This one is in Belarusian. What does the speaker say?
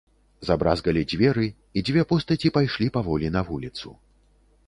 Забразгалі дзверы, і дзве постаці пайшлі паволі на вуліцу.